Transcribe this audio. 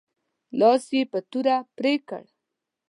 لاس یې په توره پرې کړ.